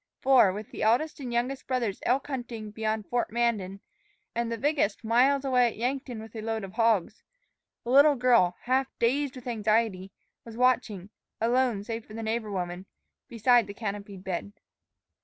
For, with the eldest and the youngest brothers elk hunting beyond Fort Mandan, and the biggest miles away at Yankton with a load of hogs, the little girl, half dazed with anxiety, was watching, alone save for the neighbor woman, beside the canopied bed.